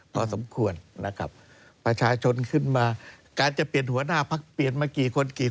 พอสมควรนะครับประชาชนขึ้นมาการจะเปลี่ยนหัวหน้าพักเปลี่ยนมากี่คนกี่